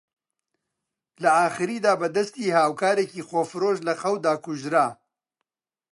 لە ئاخریدا بە دەستی هاوکارێکی خۆفرۆش لە خەودا کوژرا